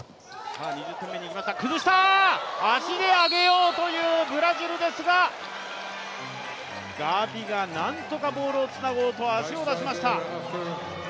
崩した、足で上げようというブラジルですがガビがなんとかボールをつなごうと足を出しました。